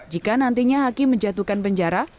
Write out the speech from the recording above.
jika nantinya hakim menjatuhkan penjara